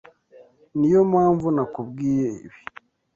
Niyo mpamvu nakubwiye ibi.